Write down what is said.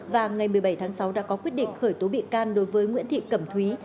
và ngày một mươi bảy tháng sáu đã có quyết định khởi tố bị can đối với nguyễn thị cẩm thúy